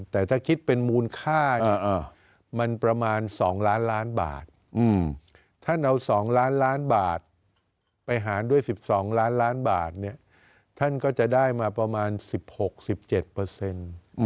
แต่ถ้าคิดเป็นมูลค่าเนี่ยมันประมาณ๒ล้านล้านบาทท่านเอา๒ล้านล้านบาทไปหารด้วย๑๒ล้านล้านบาทเนี่ยท่านก็จะได้มาประมาณ๑๖๑๗เปอร์เซ็นต์